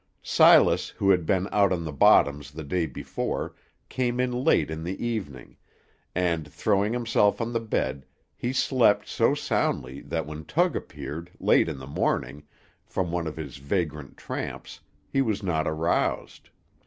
Silas, who had been out on the bottoms the day before, came in late in the evening, and, throwing himself on the bed, he slept so soundly that when Tug appeared, late in the morning, from one of his vagrant tramps, he was not aroused.